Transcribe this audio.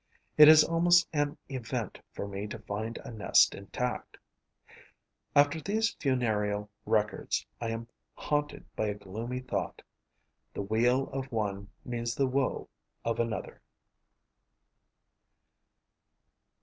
It is almost an event for me to find a nest intact. After these funereal records, I am haunted by a gloomy thought: the weal of one means the woe of another.